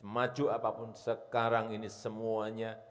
maju apapun sekarang ini semuanya